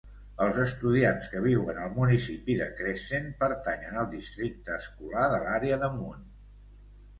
Els estudiants que viuen al municipi de Crescent pertanyen al districte escolar de l'àrea de Moon.